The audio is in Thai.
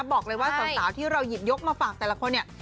บอกเลยว่าสาวที่เราหยิบยกมาฝากแต่ละคนเนี่ย